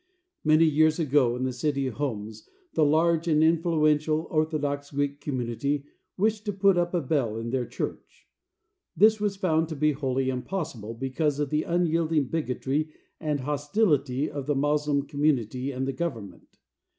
Many years ago, in the city of Homs, the large and influential Orthodox Greek community wished to put up a bell in their church. This was found to be wholly impossible because of the unyielding bigotry and hostility of the Moslem community and the government.